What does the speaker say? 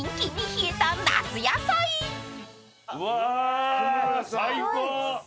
うわ最高。